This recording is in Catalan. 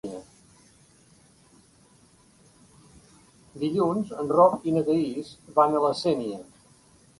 Dilluns en Roc i na Thaís van a la Sénia.